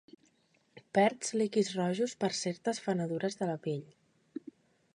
Perds líquids rojos per certes fenedures a la pell.